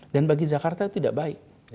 dan bagi jakarta tidak baik